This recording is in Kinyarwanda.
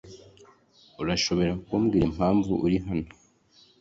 Urashobora kumbwira impamvu uri hano?